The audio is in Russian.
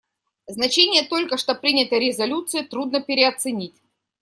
Значение только что принятой резолюции трудно переоценить.